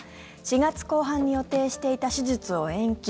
４月後半に予定していた手術を延期。